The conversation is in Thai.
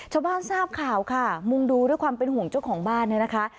ชาวบ้านทราบข่าวค่ะมุมดูด้วยความเป็นห่วงเจ้าของบ้านเลยนะคะ